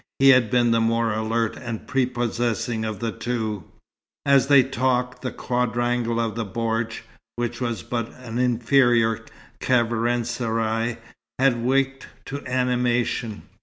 He had been the more alert and prepossessing of the two. As they talked, the quadrangle of the bordj which was but an inferior caravanserai had waked to animation.